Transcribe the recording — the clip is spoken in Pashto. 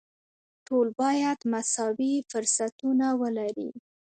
ټول باید مساوي فرصتونه ولري.